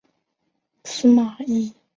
司马懿说是孙吴有使者来请降。